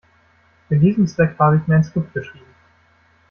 Für diesen Zweck habe ich mir ein Skript geschrieben.